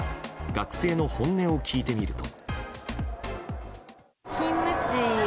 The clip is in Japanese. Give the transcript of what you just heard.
学生の本音を聞いてみると。